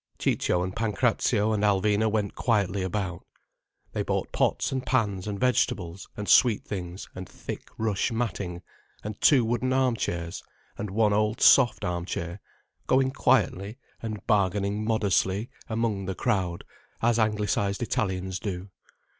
Ciccio and Pancrazio and Alvina went quietly about. They bought pots and pans and vegetables and sweet things and thick rush matting and two wooden arm chairs and one old soft arm chair, going quietly and bargaining modestly among the crowd, as Anglicized Italians do.